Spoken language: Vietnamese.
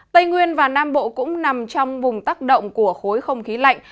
tây nguyên và nam bộ cũng nằm trong vùng tác động của khối không khí lạnh